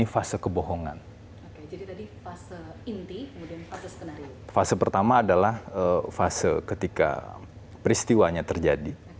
fase pertama adalah fase ketika peristiwanya terjadi